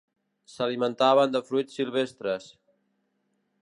S'alimentaven de fruits silvestres.